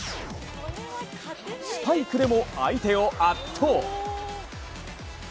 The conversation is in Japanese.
スパイクでも相手を圧倒。